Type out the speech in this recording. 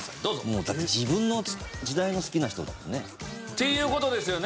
もうだって自分の時代の好きな人だもんね。っていう事ですよね。